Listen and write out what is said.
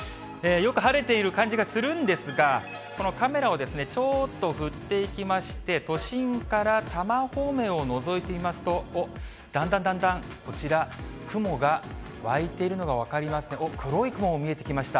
よく晴れている感じがするんですが、このカメラをちょっと振っていきまして、都心から多摩方面をのぞいてみますと、だんだんだんだんこちら、雲が湧いているのが分かりますね、黒い雲も見えてきました。